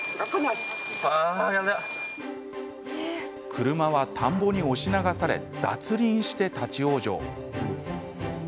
車は、田んぼに押し流され脱輪して立往生。